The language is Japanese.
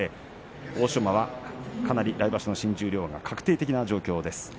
欧勝馬かなり来場所の新十両が確定的な状況です。